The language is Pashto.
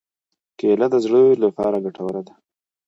کېله د زړه لپاره ګټوره ده.